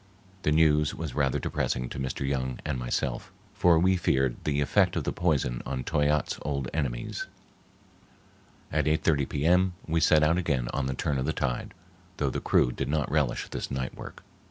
The news was rather depressing to Mr. Young and myself, for we feared the effect of the poison on Toyatte's old enemies. At 8.30 P.M. we set out again on the turn of the tide, though the crew did not relish this night work.